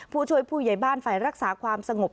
ผู้ช่วยผู้ใหญ่บ้านฝ่ายรักษาความสงบ